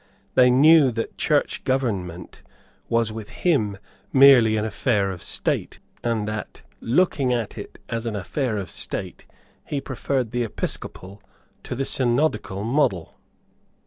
They knew that church government was with him merely an affair of State, and that, looking at it as an affair of State, he preferred the episcopal to the synodical model.